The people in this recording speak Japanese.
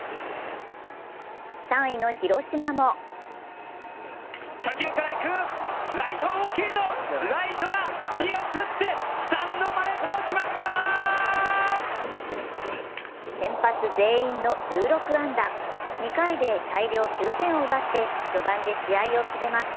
３位の広島も先発全員の１６安打、２回で大量９点を奪って序盤で試合を決めます。